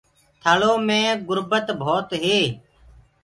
ٿݪو مي گُربت ڀوت هي